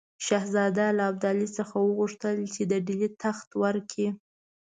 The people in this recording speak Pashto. شهزاده له ابدالي څخه وغوښتل چې د ډهلي تخت ورکړي.